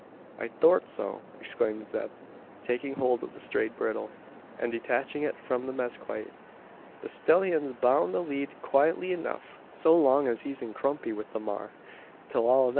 "I thort so," exclaims Zeb, taking hold of the strayed bridle, and detaching it from the mezquite; "the stellyun's boun to lead quietly enuf so long as he's in kumpny with the maar.